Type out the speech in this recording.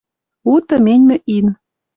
У тыменьмӹ ин.